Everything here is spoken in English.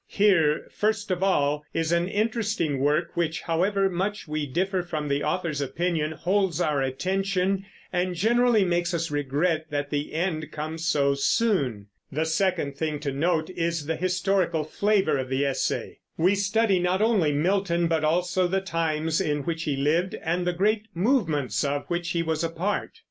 Here, first of all, is an interesting work, which, however much we differ from the author's opinion, holds our attention and generally makes us regret that the end comes so soon. The second thing to note is the historical flavor of the essay. We study not only Milton, but also the times in which he lived, and the great movements of which he was a part.